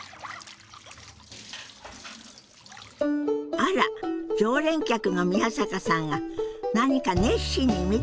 あら常連客の宮坂さんが何か熱心に見ているようよ。